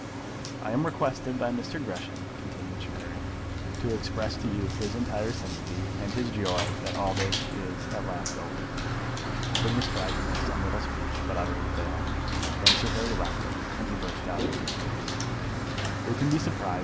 "I am requested by Mr. Gresham," continued Sir Harry, "to express to you his entire sympathy, and his joy that all this is at last over." Phineas tried to make some little speech, but utterly failed. Then Sir Harry left them, and he burst out into tears. "Who can be surprised?"